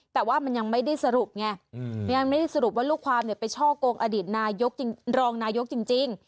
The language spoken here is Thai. แต่ว่ามันยังไม่ได้สรุปไงอืมยังไม่ได้สรุปว่าลูกความเนี่ยไปช่องโกงอดีตนายกจริงรองนายกจริงจริง